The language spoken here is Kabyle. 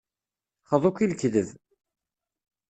Xḍu-k i lekdeb.